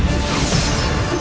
dia sudah lihat